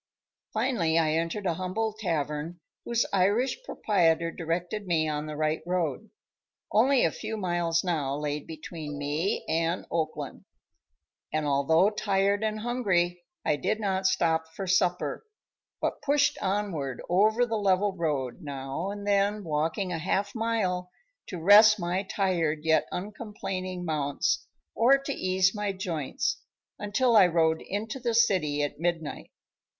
Finally, I entered a humble tavern whose Irish proprietor directed me on the right road. Only a few miles now lay between me and Oakland, and although tired and hungry I did not stop for supper, but pushed onward over the level road, now and then walking a half mile to rest my tired yet uncomplaining mounts or to ease my joints, until I rode into the city at midnight.